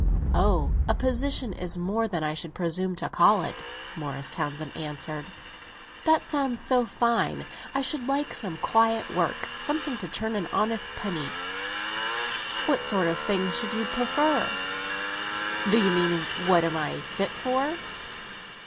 "Oh, a position is more than I should presume to call it," Morris Townsend answered. "That sounds so fine. I should like some quiet work—something to turn an honest penny." "What sort of thing should you prefer?" "Do you mean what am I fit for?